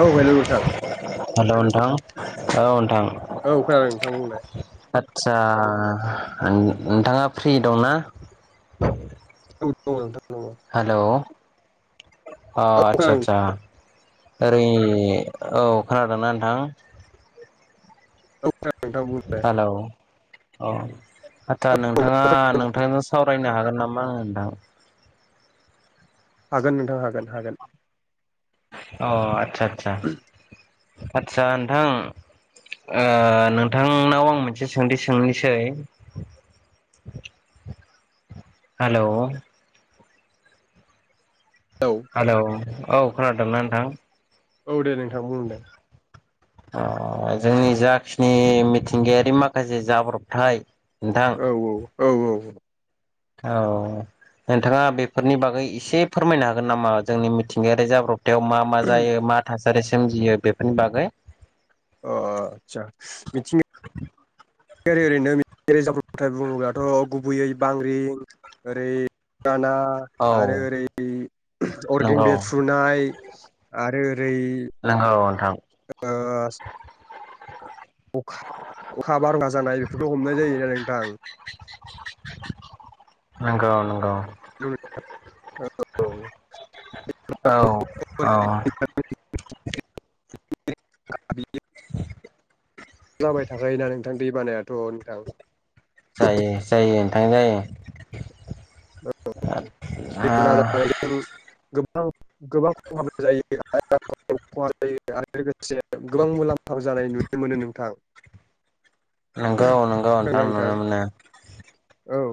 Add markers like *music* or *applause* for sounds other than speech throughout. औ हेल' नोंथां हेलौ नोंथां औ नोंथां। औ खोनादों नोंथां बुंलाय। आच्छा नोंथाङा फ्रि दंना? औ बुं नोंथां बुंलाय हेल' अ औ आच्छा दङ आच्छा। ओरै औ खोनादोंना नोंथां? औ खोनादों नोंथां बुं हेलौ औ आदसा नोंथाङा नोंथांजों सावरायनो हागोन नामा नोंथां? हागोन नोंथां हागोन हागोन। अ आदसा आदसा आदसा नोंथां। ओ नोंथांनाव आं मोनसे सोंथि सोंनोसै। हेल' औ हेलौ औ खोनादोंना नोंथां? औ दे नोंथां बुं दे। *inaudible* ओ जोंनि जाखिनि मिथिंगायारि माखासे जाब्रबथाय। नोंथां औ औ औ औ औ औ नोंथाङा बेफोरनि बागै एसे फोरमायनो हागोन नामा जोंनि मिथिंगायारि जाब्रब थायाव मा मा जायो मा थासारि सोमजियो बेफोरनि बागै अ आदसा मिथिं गायारि ओरैनोै मिथिंगारि जाब्रबथाय बुङोब्लाथ' गुबैयै बांग्रिं ओरै राना आरो औ ओरै अर्गें नंगौ बेरफ्रु नाय आरो ओरै नोंगौ नोंथां। ओ अखा अखा बारखा जानाय बेफोरखौ हमनाय जायोना नोंथां। नंगौ नंगौ। औ *unintelligible* *inaudible* *unintelligible* जबाय थाखायोना नोंथां दै बानायाथ' नोंथां जायो जायो नोथां जायो हा दैबाना जानायजों गोबां खहा जायो *unintelligible* आरो लोगोसे गोबां मुलाम्फा जानाय नुनो मोनो नोंथां। नंगौ नंगौ नोंथां नुनो मोनो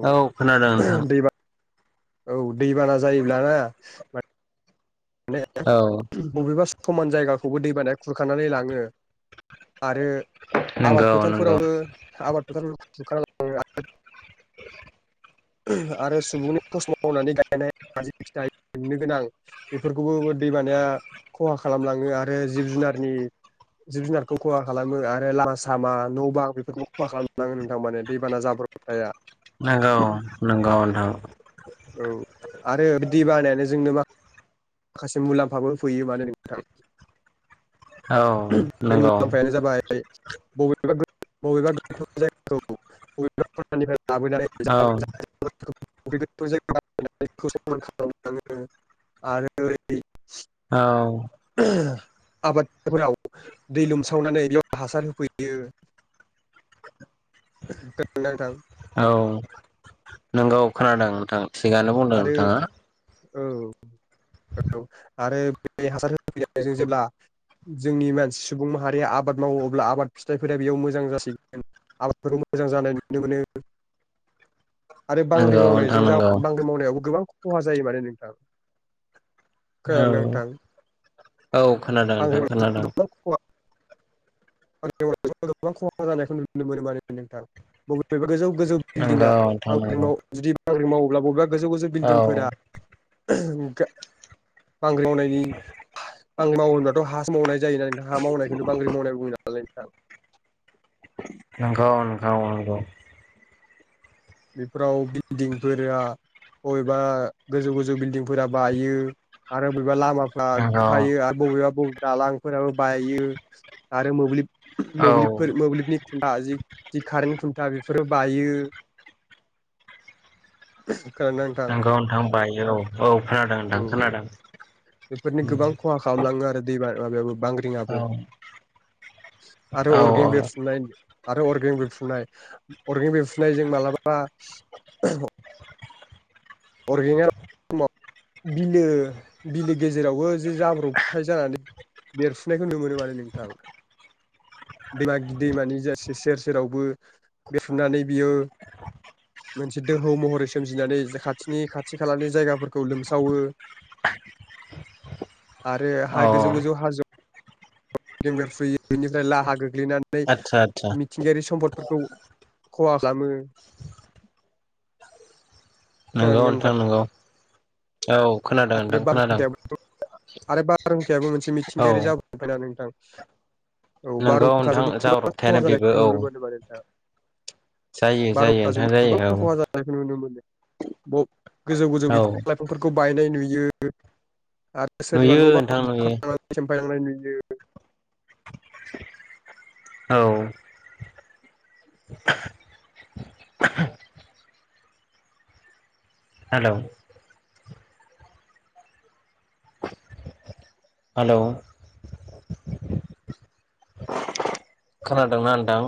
औ खोनादों नोंथां दैबा औ दैबाना जायोब्लाना माने औ बबेबा समान जायगाखौबो दै बानाया खुरखानानै लाङो। आरो आबाद नंगौ नंगौ फोथारफोरावबो आबाद फोथार खुरखानानै लाङो आरो आरो सुबुंनि खस्म' मावनानै गायनाय जि फिथाइ मोननो गोनां बेफोरखौबो दैबानाया खहा खालामलाङो आरो जिब-जुनारनि जिब-जुनारखौ खहा खालामो आरो लामा सामा न' बां बेफोरखौ खहा खालाम जोबलाङो नोंथां माने दैबाना जाब्रब थाया नंगौ नंगौ नोंथां औ आरो दै बानायानो जोंनो मा माखासे मुलाम्फाबो फैयो माने नोंथां। औ बे नंगौ मुलाम्फायानो जाबाय बबेबा गो बबेबा गोथौ जायगाखौ बबेबा खनानिफ्राय लाबोनानै औ *unintelligible* *unintelligible* समान खालामलाङो आरो ओरै औ। आबादफोराव दै लोमसावनानै बेयाव हासार होफैयो। खोनादों ना नोंथां? औ नोंगौ खोनादों नोंथां थिगानो बुंदों आरो नोंथाङा। औ औ आरो बे हासार होफैनायजों जेब्ला जोंनि मानसि सुबुं माहारिया आबाद मावो अब्ला आबाद फिथाइफोरा बेयाव मोजां जासिगोन। आबादफोरखौ मोजां जानाय नुनो मोनो आरो बांग्रि नंगौ नोंथां मावनायजों जाउ नंगौ मावनायावबो गोबां खहा जायो माने नोंथा। औ औ खोनादों बांग्रि नोंथां खोनादों। बांग्रिं मावनायजों गोबां खहा जानायखौ नुनो मोनो माने नोंथां। बहुत बेबो गोजौ गोजौ नंगौ बिल्डिङा नोंथां बांग्रिं नंगौ माव जुदि बांग्रिं मावोब्ला बबेबा गोजौ गोजौ औ बिल्दिंफोरा गा बांग्रि मावनायनि बांग्रि मावो होनब्लाथ' हा सोमावनाय जायोना नोंथां हा मावनायखौनो बांग्रि मावनाय बुंजा मालै नोंथां नंगौ नंगौ नंगौ। बेफोराव बिल्दिंफोरा बबेबा गोजौ गोजौ बिल्दिंफोरा बायो आरो बबेबा लामा आ नंगौ बुखायो आरो बबेबा बबेबा दालांफोराबो बायो आरो मोब्लिब औ मोब्लिबफोर मोब्लिबनि खुन्था जि जि कारेन्ट खुन्था बेफोरो बायो। खोनादों ना नोंथां? नौंगौ नोंथां बायो औ औ खोनादों नोंथां औ खोनादों। बेफोरनि गोबां खहा खालामलाङो आरो दै बाना माबायाबो बांग्रिं औ बांग्रिंआबो आरो औ औ अरगें बेरफ्रुनाय आरो अरगें बेरफ्रुनाय अरगें बेरफ्रुनायजों मालाबा अरगेंआ *unintelligible* बिलो बिलो गेजेरावबो जे जाब्रबथाय जानानै बेरफ्रुनायखौ नुनो मोनो माने नोंथां। दैमा गिदि दैमानि जा सेर सेरावबो बेरफ्रुनानै बियो मोनसे दोहौ महरै सोमजिनानै जाहा बिथिनि खाथि खालानि जायगाफोरखौ लोमसावो। आरो हा औ गोजौ गोजौ हाजो *unintelligible* बेरफ्रुयो बेनिफ्राय लाहा गोग्लैनानै आदसा आदसा मि मिथिंगायारि सम्पदफोरखौ खहा खालामो। नंगौ नोंथां नंगौ औ खोनादों आरो नोंथां खोनादों। बारहुंखायाबो आरो बारहुंखायाबो मोनसे औ मिथिंगायारि जाब्रबथायना नोंथां। औ नंगौ नोंथां बारहुंखाजोंबो गोबां जाब्रबथायानो खहा बेबो जानायखौ औ नुनो मोनो माने नोंथां। जायो जायो नोंथां बारहुंखाजोंबो जायो गोबां खहा औ जानाय खौ नुनो मोनो ब गोजौ गोजौ औ बिफां लाइ बिफांफोरखौ बायनाय नुयो आरो सोरनिबा नुयो न' नोंथां बां नुयो बुखारलांनानै सेमफायलांनाय नुयो। औ। *inaudible* हेल'। हेल'। खोनादोंना नोंथां?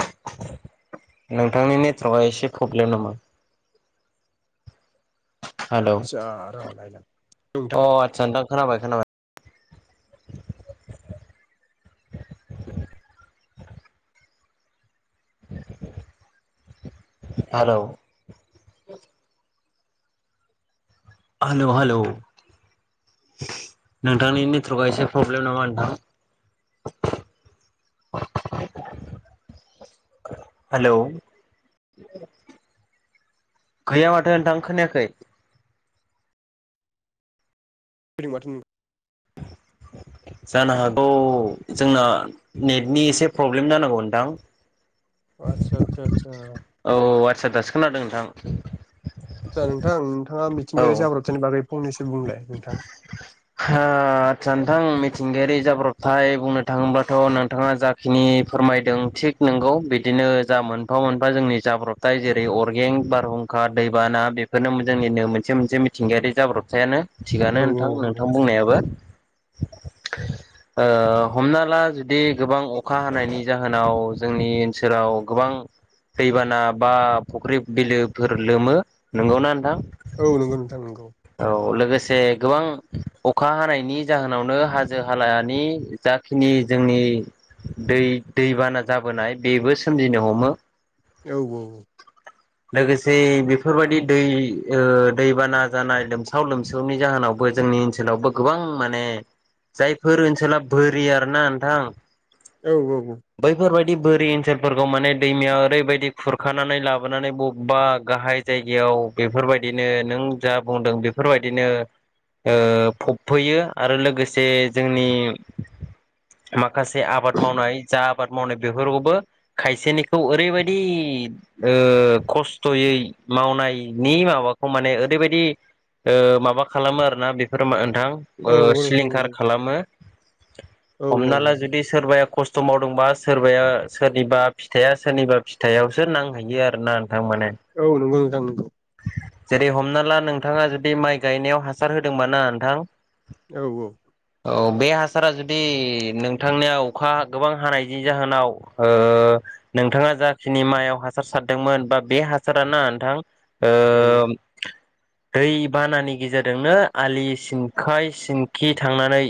नोंथांनि नेटवर्कआ एसे प्रब्लेम नामा? हेलौ आतसा र नायनां नोंथां अ आदसा नोंथां खोनाबाय खोनाबाय। Hello hello hello. नोंथांनि नेटवर्कआ एसे प्रब्लेम नामा नोंथां। हेल'। गैया माथो नोंथां खोनायाखै। *unintelligible* जानो हागौ जोंना नेटनि एसे प्रब्लेम जानांगौ नोंथां। अ आतसा आतसा आतसा। औ आतसा दासो खोनादों नोंथां। आदसा नोंथां नोंथाङा औ मिथिंगायारि जाब्रबथायनि बागै फंनसो बुंलाय नोंथां। आ आतसा नोंथां मिथिंगायारि जाब्रबथाय बुंनो थाङोब्लाथ' नोंथाङा जा खिनि फोरमायदों थिग नोंगौ बिदिनो जा मोनफा मोनफा जोंनि जाब्रब थाय जेरै अरगें बारहुंखा दैबाना बेफोरनो जोंनिनो मोनसे मोनसे मिथिंगायारि जाब्रबथायानो। औ थिगआनो औ नोंथां नों नंगौ नोंथां ओबो हमना ला जुदि गोबां अखा हानायनि। जाहोनाव जोंनि ओनसोलाव गोबां। दैबाना बा फुख्रि बिलोफोर लोमो नंगौना नोंथां। औ नंगौ नोंथां नंगौ। औ लोगोसे गोबां। अखा हानायनि जाहोनावनो हाजो हालानि जाखिनि जोंनि। दै दैबाना जाबोनाय बेबो सोमजिनो हमो। औ औ औ। *inaudible* लोगोसे बेफोरबायदि दै ओ दैबाना जानाय लोमसाव लोमसावनि जाहोनावबो। जोंनि ओनसोलावबो गोबां माने जायफोर ओनसोला बोरि आरो ना नोंथां। औ औ औ। बैफोरबायदि बोरि ओनसोलफोरखौ माने दैमाया ओरैबायदि खुरखानानै लाबोनानै बबेबा गाहाय। जायगायाव बेफोरबायदिनो नों जा बुंदों बेफोरबायदिनो। ओ फबफैयो आरो लोगोसे जोंनि। माखासे आबाद मावनाय जा आबाद मावनाय बेफोरखौबो खायसेनिखौ ओरैबायदि ओ खस्थ'यै मावनायनि माबाखौ माने ओरैबायदि ओ माबा खालामो आरोना बेफोर नोंथां ओ औ नंगौ नोंथां सिलिंखार नंगौ खालामो। औ औ हमनाला जुदि सोरबाया खस्थ' मावदोंबा सोरबाया सोरनिबा फिथाइया सोरनिबा फिथाइआवसो नांहैयो आरो ना नोंथां मोने औ नंगौ नोंथां नंगौ जेरै हमना ला नोंथाङा जुदि माइ गायनायाव हासार होदोंबा ना नोंथां औ औ औ बे हासारा जुदि नोंथांनिया अखा गोबां हानायनि जाहोनाव ओ नोंथाङा जाखिनि माइआव हासार सारदोंमोन बा बे हासार ना नोंथां ओ औ दै बानानि गेजेर जोंनो आलि सिनखाय सिनखि थांनानै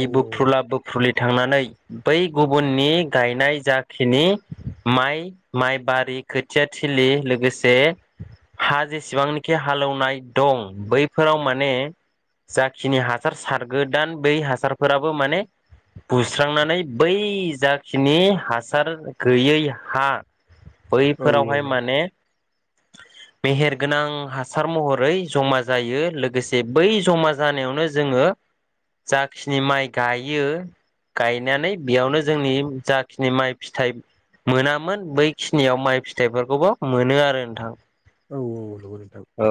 औ बोफ्रुला बो फ्रुलि थांनानै बै गुबुननि गायनाय जाखिनि माइ माइबारि खोथिया थिलि लोगोसे हा जेसेबांनिखि हालौनाय दं बै फोराव माने जाखिनि हासार सारग्रोदान बै हासारफोराबो माने बुस्रांनानै बै जाखिनि हासार गैयै हा नंगौ बैफोरावहाय नोंथां माने मेहेरगोनां हासार महरै जमा जायो लोगोसे बै जमा जानायावनो जोङो जाखिनि माइ गायो गायनानै बेयावनो जोंनि जाखिनि माइ फिथाय मोनामोन बैखिनियाव माइ फिथाइफोरखौबो मोनो आरो नोंथां। औ औ नोंगौ नोंथां औ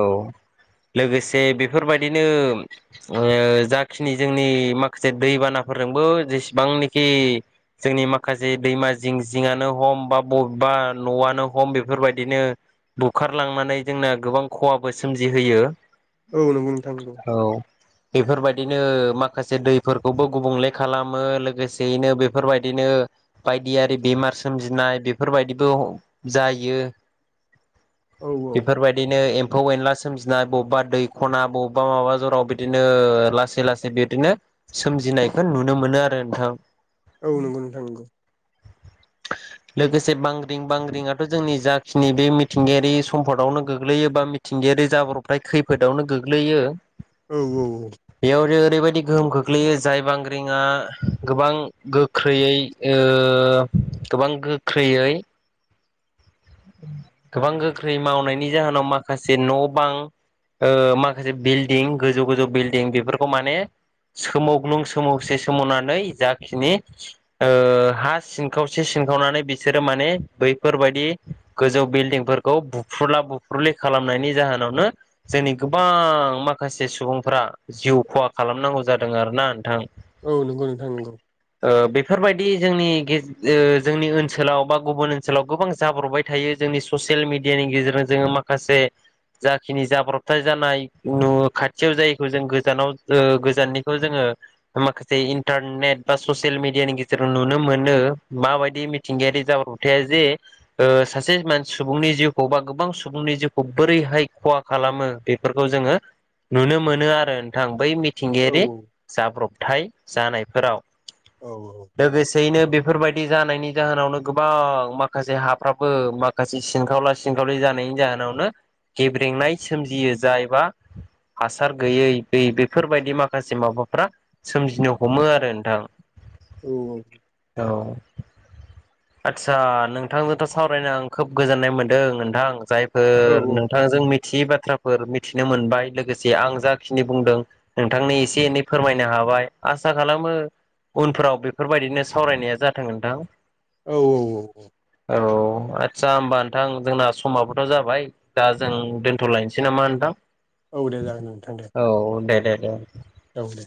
लोगोसे बेफोरबायदिनो ओ जाखिनि जोंनि माखासे दैबानाफोरजोंबो जेसेबांनोखि जोंनि माखासे दैमा जिं जिङानो हम बा बबेबा न'आनो हम बेफोरबायदिनो बुखारलांनानै जोंना गोबां खहाबो सोमजिहोयो। औ नंगौ नोंथां नोंगौ। औ बेफोरबायदिनो माखासे दैफोरखौबो गुबुंले खालामो लोगोसेयैनो बेफोरबायदिनो बायदिआरि बेमार सोमजिनाय बेफोरबायदिबो अ जायो। बेफोरबायदिनो एम्फौ-एनला सोमजिनाय बबा दै खना बबेबा माबा जराव बिदिनो ओ लासै लासै बिदिनो सोमजिनायखौ नुनो मोनो आरो नोंथां। औ नंगौ नोंथां नंगौ। *unintelligible* लोगोसे बांग्रिं बांग्रिंआथ' जोंनि जाखिनि बे मिथिंगायारि सम्फदावनो गोग्लैयो बा मि मिथिंगायारि जाब्रबथाय खैफोदावनो गोग्लैयो। औ औ औ बेयावनो ओरैबायदि गोहोम खोख्लैयो जाय बांग्रिंआ गोबां गोख्रैयै ओ गोबां गोख्रैयै गोबां गोख्रै मावनायनि जाहोनाव माखासे न' बां ओ माखासे बिल्डिं गोजौ गोजौ बिल्डिं बेफोरखौ माने सोमावग्लुं सोमावसे सोमावनानै जाखिनि ओ हा सिनखावसे सिनखावनानै बिसोरो माने बैफोरबायाददि। गोजौ बिल्डिंफोरखौ बुफ्रुला बुफ्रुलि खालामनायनि जाहोनावनो जोंनि गोबां माखासे सुबुंफोरा जिउ खहा खालामनांगौ जादों आरो ना नोंथां। औ नंगौ नोंथां नंगौ। ओ बेफोरबायदि जोंनि गेज ओ जोंनि ओनसोलाव बा गुबुन ओनसोलाव गोबां जाब्र'बाय थायो जोंनि ससियेल मिडियानि गेजेरजों जोङो माखासे जाखिनि जाब्रबथाय जानाय नु खाथियाव जायैखौ जों गोजानाव ओ गोजाननिखौ जोङो माखासे इन्टारनेट बा ससियेल मिडिया नि गेजेराव नुनो मोनो माबायदि थिंगायारि जाब्रबथाइआ जे ओ सासे मानस सुबुंनि जिउखौ बा गोबां सुबुंनि जिउखौ बोरैहाय खहा खालामो बे बेफोरखौ जोङो नुनो मोनो आरो। ओ नोंथां बै औ मिथिंगायारि जाब्रबथाय जानायफोराव। औ औ। लोगोसेयैनो बेफोरबायदि जानायनि जाहोनावनो गोबां माखासे हाब फ्राबो माखासे सिनखावला सिनखावलि जानायनि जाहोनावनो गेब्रेंनाय सोमजियो जायबा हासार गैयै बे बेफोरबायदि माखासे माबाफ्रा सोमजिनो हमो आरो नोंथां। औ औ आदसा नोंथांजों सावरायनो आं खोब गोजोननाय मोनदों नोंथां औ जायफोर नोंथांजों मि थि बाथ्राफोर मिथिनो मोनबाय लोगोसे आं जाखिनि बुंदों नोंथांनो एसे एनै फोरमायनो हाबाय आसा खालामो उनफोराव बेफोरबायदिनो सावरायनाया जाथों नोंथां। औ औ औ औ। औ आदसा होमबा नोंथां जोंना समाबोथ' जाबाय। दा जों दोन्थ'लायनोसै नामा नोंथां? औ दे जागोन नोंथां दे। औ दे दे दे। औ दे।